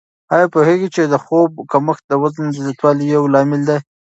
آیا پوهېږئ چې د خوب کمښت د وزن د زیاتوالي یو لامل دی؟